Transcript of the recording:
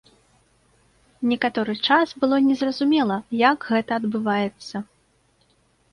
Некаторы час было незразумела, як гэта адбываецца.